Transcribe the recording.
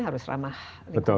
harus ramah lingkungan juga